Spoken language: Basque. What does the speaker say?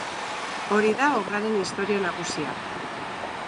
Hori da obraren istorio nagusia.